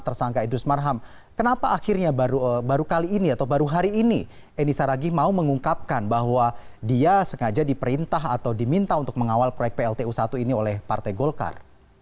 tersangka idrus marham kenapa akhirnya baru kali ini atau baru hari ini eni saragih mau mengungkapkan bahwa dia sengaja diperintah atau diminta untuk mengawal proyek pltu satu ini oleh partai golkar